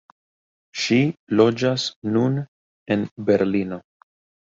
Ŝi loĝas nun en Berlino.